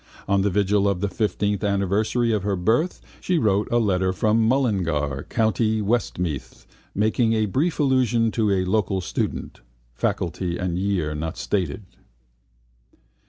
On the vigil of the 15th anniversary of her birth she wrote a letter from Mullingar, county Westmeath, making a brief allusion to a local student (faculty and year not stated).